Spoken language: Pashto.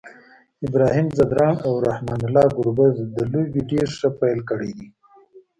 ابراهیم ځدراڼ او رحمان الله ګربز د لوبي ډير ښه پیل کړی دی